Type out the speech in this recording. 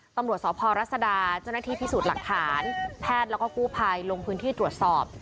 ตำรวจสพรัศดาเจ้าหน้าที่พิสูจน์หลักฐานแพทย์แล้วก็กู้ภัยลงพื้นที่ตรวจสอบ